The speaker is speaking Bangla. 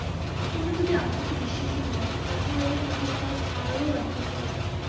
তোমরা যদি আত্মাতে বিশ্বাসী হও, তাহা হইলে তাহার ফল আরও অদ্ভুত হইবে।